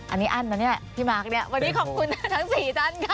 อันนี้อั้นนะเนี่ยพี่มาร์คเนี่ยวันนี้ขอบคุณทั้ง๔ท่านค่ะ